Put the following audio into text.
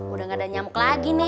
udah gak ada nyamuk lagi nih